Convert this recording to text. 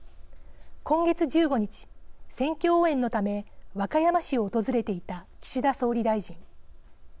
今月１５日、選挙応援のため和歌山市を訪れていた岸田総理大臣。